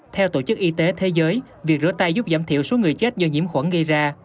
theo tổ chức y tế thế giới việc rửa tay giúp giảm thiểu số người chết do nhiễm khuẩn gây ra